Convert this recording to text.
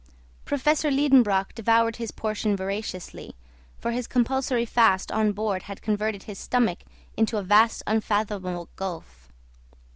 Professor Liedenbrock devoured his portion voraciously, for his compulsory fast on board had converted his stomach into a vast unfathomable gulf.